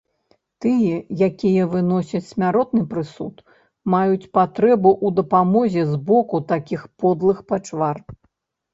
Тыя, якія выносяць смяротны прысуд, маюць патрэбу ў дапамозе з боку такіх подлых пачвар.